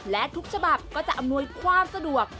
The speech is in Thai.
และทุกฉบับก็จะอำนวยความสะดวก